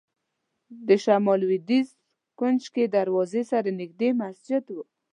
د شمال لوېدیځ کونج کې دروازې سره نږدې مسجد و.